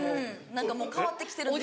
何かもう変わってきてるんです。